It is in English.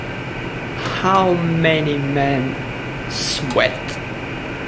how many men ...sweat